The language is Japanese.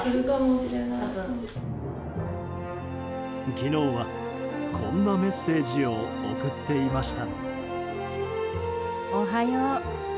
昨日はこんなメッセージを送っていました。